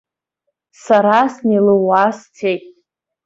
Сара снеилууа сцеит.